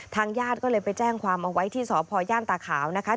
ญาติก็เลยไปแจ้งความเอาไว้ที่สพย่านตาขาวนะคะ